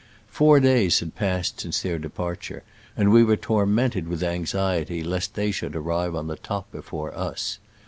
Four days had passed since their departure, and we were tormented with anxiety lest they should arrive on the top before us.